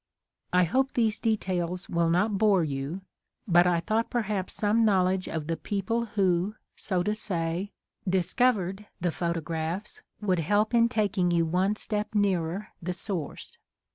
I hope these details will not bore you, but I thought perhaps some knowledge of the people who, so to say, ''discovered'^ the photographs would help in taking you one step nearer the source.